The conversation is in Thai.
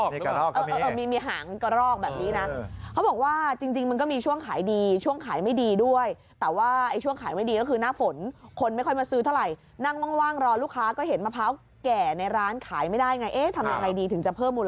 มีหางกระรอกแบบนี้นะเขาบอกว่าจริงมันก็มีช่วงขายดีช่วงขายไม่ดีด้วยแต่ว่าไอ้ช่วงขายไม่ดีก็คือหน้าฝนคนไม่ค่อยมาซื้อเท่าไหร่นั่งว่างรอลูกค้าก็เห็นมะพร้าวแก่ในร้านขายไม่ได้ไงเอ๊ะทำยังไงดีถึงจะเพิ่มมูล